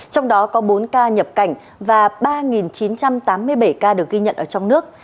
trong đó có bốn ca nhập cảnh và ba chín trăm tám mươi bảy ca được ghi nhận ở trong nước